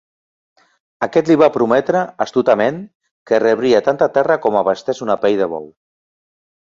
Aquest li va prometre, astutament, que rebria tanta terra com abastés una pell de bou.